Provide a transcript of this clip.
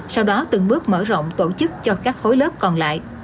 sau đó từng bước mở rộng tổ chức cho các khối lớp còn lại